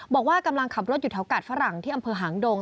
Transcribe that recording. บอกว่ากำลังขับรถอยู่แถวกาดฝรั่งที่อำเภอหางดง